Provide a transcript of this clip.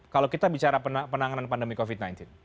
kalau kita bicara penanganan pandemi covid sembilan belas